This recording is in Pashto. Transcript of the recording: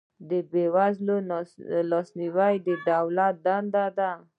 د بې وزلو لاسنیوی د دولت دنده ده